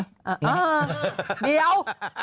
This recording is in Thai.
อ่าเดี๋ยว